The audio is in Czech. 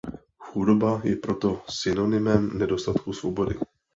Chudoba je proto synonymem nedostatku svobody.